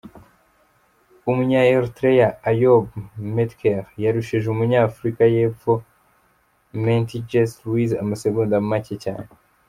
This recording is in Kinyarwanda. Umunya-Eritrea Ayob Metkel yarushije Umunya-Afiruka yEpfo Meintjes Louis amasegonda macye cyane.